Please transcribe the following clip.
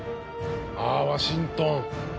あワシントン！